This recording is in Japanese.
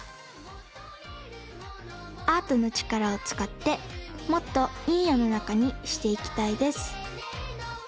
アートのちからをつかってもっといいよのなかにしていきたいです。